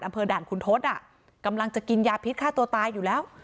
อำเภอด่านคุณทศกำลังจะกินยาพิษฆ่าตัวตายอยู่แล้ว